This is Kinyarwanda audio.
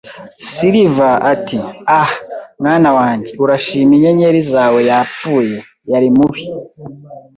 Silver ati: "Ah, mwana wanjye, urashima inyenyeri zawe yapfuye". “Yari mubi